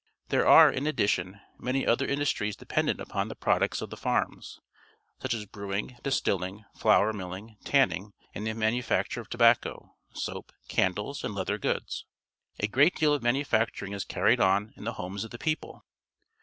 There are, in addition, many other industries dependent upon the products of the farms, such as brewing, dis tilling, flour miUing, tanning, and the manu facture of tobacco, soap, candles, and leather goods. A great deal of manufacturing is carried on in the homes of the people.